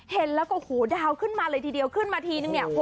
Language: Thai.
เห็นแล้วก็หูดาวขึ้นมาเลยทีเดียวขึ้นมาทีนึงเนี่ย